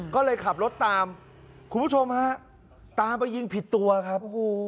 ก็เลยขับรถตามคุณผู้ชมฮะตามไปยิงผิดตัวครับ